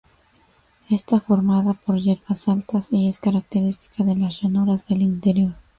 Está formada por hierbas altas y es característica de las llanuras del interior.